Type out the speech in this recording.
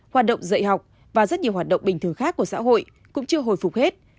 hoạt động dạy học và rất nhiều hoạt động bình thường khác của xã hội cũng chưa hồi phục hết